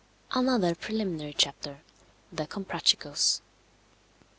ANOTHER PRELIMINARY CHAPTER. THE COMPRACHICOS.